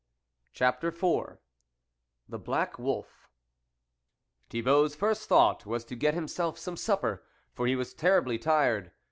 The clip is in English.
CHAPTER IV THE BLACK WOLF first thought was to get himself some supper, for he was terribly tired.